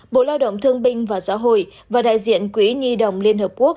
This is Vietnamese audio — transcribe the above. bộ lao động thương binh và xã hội và đại diện quỹ nhi đồng liên hợp quốc